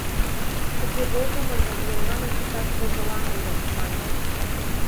— «Тыге возымыжым еҥланат ончыкташ вожылам ыле», — маньыч.